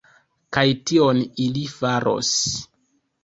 Kaj tion ili faros.